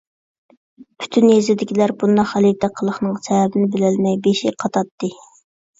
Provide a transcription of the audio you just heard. پۈتۈن يېزىدىكىلەر بۇنداق غەلىتە قىلىقنىڭ سەۋەبىنى بىلەلمەي بېشى قاتاتتى.